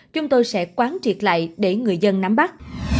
chúng tôi sẽ quán triệt lại để người dân nắm bắt